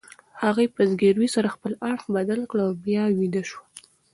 هغې په زګیروي سره خپل اړخ بدل کړ او بیا ویده شوه.